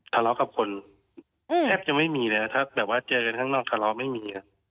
ทะเลาะกับคนแทบจะไม่มีเลยถ้าแบบว่าเจอกันข้างนอกทะเลาะไม่มีครับ